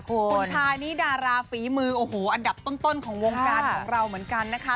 คุณชายนี่ดาราฝีมือโอ้โหอันดับต้นของวงการของเราเหมือนกันนะคะ